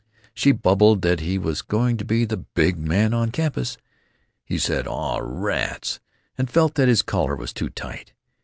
She bubbled that he was going to be the Big Man in his class. He said, "Aw, rats!" and felt that his collar was too tight....